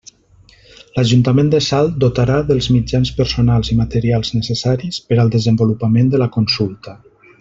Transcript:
L'Ajuntament de Salt dotarà dels mitjans personals i materials necessaris per al desenvolupament de la consulta.